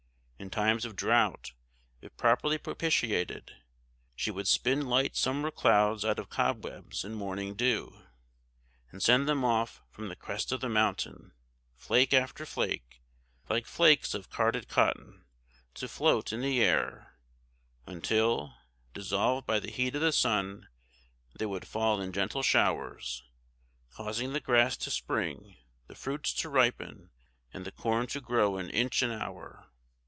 In times of drought, if properly propitiated, she would spin light summer clouds out of cobwebs and morning dew, and send them off from the crest of the mountain, flake after flake, like flakes of carded cotton, to float in the air; until, dissolved by the heat of the sun, they would fall in gentle showers, causing the grass to spring, the fruits to ripen, and the corn to grow an inch an hour.